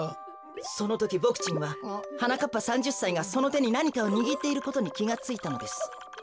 そのときボクちんははなかっぱ３０さいがそのてになにかをにぎっていることにきがついたのです。